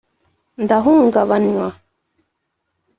ndahungabanywa